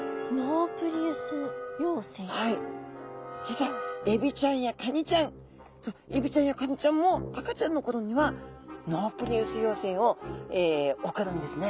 実はエビちゃんやカニちゃんエビちゃんやカニちゃんも赤ちゃんのころにはノープリウス幼生を送るんですね。